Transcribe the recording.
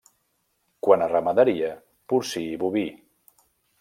Quant a ramaderia, porcí i boví.